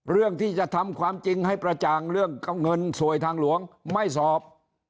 เรื่องที่จะทำความจริงให้กระจ่างเรื่องเงินสวยทางหลวงไม่สอบ